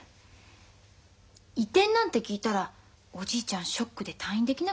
移転なんて聞いたらおじいちゃんショックで退院できなくなっちゃう。